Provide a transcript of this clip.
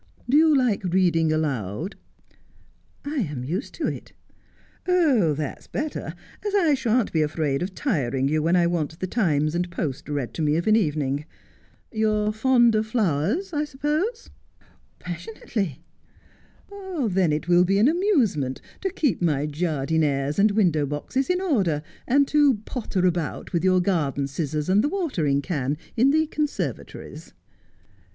Do you like reading aloud 1 '' I am used to it.' ' That's better, as I shan't be afraid of tiring you when I want the Times and Post read to me of an evening. You are fond of flowers, I suppose ?' 70 Just as I Am. ' Passionately.' ' Then it will be an amusement to keep my jardinieres and window boxes in order, and to potter about with your garden scissors and the watering can in the conservatories.'